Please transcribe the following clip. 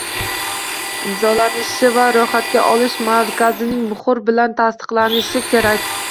imzolanishi va ro‘yxatga olish markazining muhri bilan tasdiqlanishi kerak.